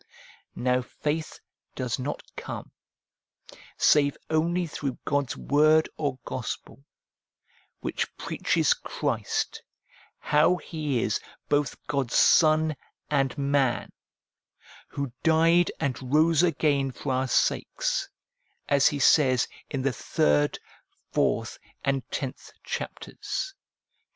Now faith does not come, save only through God's word or gospel, which preaches Christ, how He is both God's Son and Man, who died and rose again for our sakes, as he says in the third, fourth, and tenth chapters (iii.